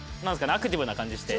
アクティブな感じして。